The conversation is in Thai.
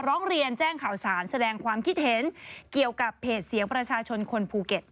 ร้องเรียนแจ้งข่าวสารแสดงความคิดเห็นเกี่ยวกับเพจเสียงประชาชนคนภูเก็ต